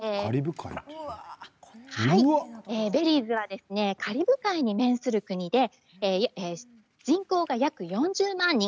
ベリーズはカリブ海に面する国で人口が約４０万人。